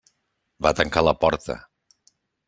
Va tancar la porta.